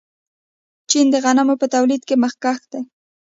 چین د غنمو په تولید کې مخکښ دی.